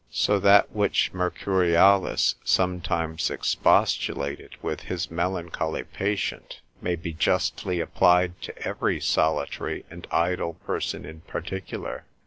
So that which Mercurialis, consil. 11, sometimes expostulated with his melancholy patient, may be justly applied to every solitary and idle person in particular.